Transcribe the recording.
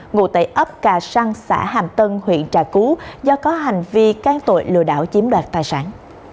ngủ tại ấp cà săn xã hàm tân huyện trà cú do có hành vi can tội lừa đảo chiếm đoạt tài sản